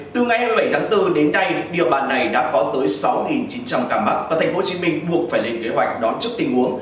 từ ngày hai mươi bảy tháng bốn đến nay địa bàn này đã có tới sáu chín trăm linh ca mắc và tp hcm buộc phải lên kế hoạch đón trước tình huống